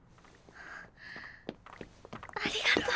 ありがとう。